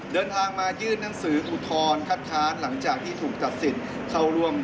เดินทางมายื่นหนังสืออุทธรณ์คัดค้านหลังจากที่ถูกตัดสิทธิ์เข้าร่วม